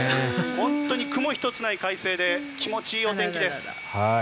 本当に雲一つない快晴で気持ちいいお天気です。